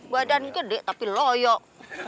badan gede tapi loyok